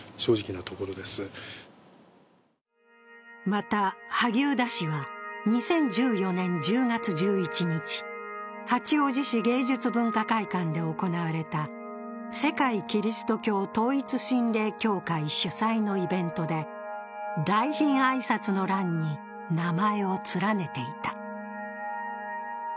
また萩生田氏は、２０１４年１０月１１日八王子市芸術文化会館で行われた世界基督教統一神霊協会主催のイベントで来賓挨拶の欄に名前を連ねていた。